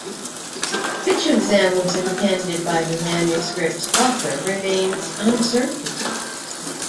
Which of them was intended by the manuscript's author remains uncertain.